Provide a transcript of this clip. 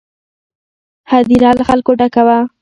هدیره له خلکو ډکه وه.